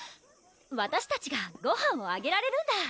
わたしたちがごはんをあげられるんだ！